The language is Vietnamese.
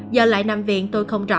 giờ lại nằm viện tôi không rõ